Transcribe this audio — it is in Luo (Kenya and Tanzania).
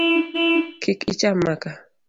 Kik icham maka.